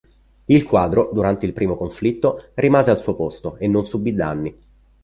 Il quadro, durante il primo conflitto, rimase al suo posto e non subì danni.